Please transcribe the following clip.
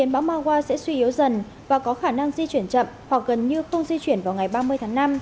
bão mawa sẽ suy yếu dần và có khả năng di chuyển chậm hoặc gần như không di chuyển vào ngày ba mươi tháng năm